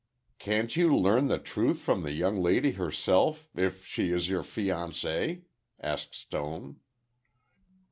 "Can't you learn the truth from the young lady herself—if she is your fiancee?" asked Stone.